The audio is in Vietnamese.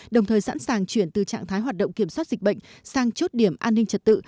đồng thời sẵn sàng chuyển từ trạng thái hoạt động kiểm soát dịch bệnh sang chốt điểm an ninh trật tự